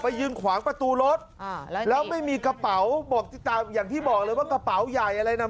เอ่อไปยืนขวางประตูรถแล้วไม่มีกระเป๋าอย่างที่บอกเลยว่ากระเป๋าย่ายอะไรนะ